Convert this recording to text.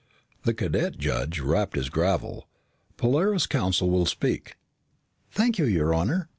The cadet judge rapped his gavel. "Polaris counsel will speak." "Thank you, your honor.